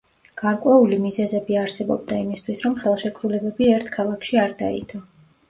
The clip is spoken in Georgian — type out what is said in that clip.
გარკვეული მიზეზები არსებობდა იმისთვის, რომ ხელშეკრულებები ერთ ქალაქში არ დაიდო.